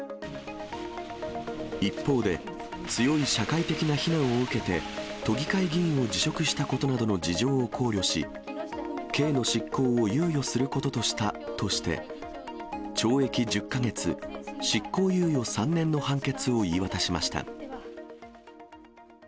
一方で、強い社会的な非難を受けて、都議会議員を辞職したことなどの事情を考慮し、刑の執行を猶予することとしたとして、懲役１０か月、執行猶予３年の判決を言い渡しました。